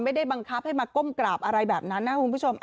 ไม่ได้บังคับให้มาก้มกราบอะไรแบบนั้นนะคุณผู้ชม